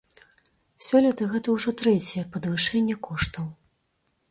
Сёлета гэта ўжо трэцяе падвышэнне коштаў.